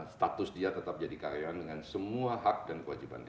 status dia tetap jadi kayaan dengan semua hak dan kewajibannya